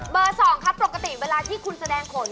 เบอร์สองครับปกติเวลาที่คุณแสดงขน